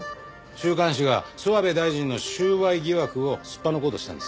週刊誌が諏訪部大臣の収賄疑惑をすっぱ抜こうとしたんです。